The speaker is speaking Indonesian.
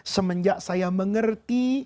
semenjak saya mengerti